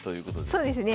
そうですね。